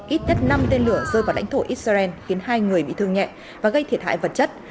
ít nhất năm tên lửa rơi vào lãnh thổ israel khiến hai người bị thương nhẹ và gây thiệt hại vật chất